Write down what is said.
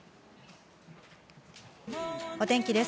お天気です。